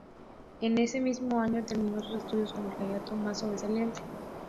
En ese mismo año terminó sus estudios como el "candidato más sobresaliente".